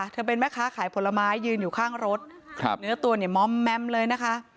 เธอเป็นแม่ค้าขายผลไม้ยืนอยู่ข้างรถครับเนื้อตัวเนี่ยม่อมแมมเลยนะคะ